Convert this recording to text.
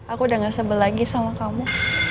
aku udah gak sebel lagi sama kamu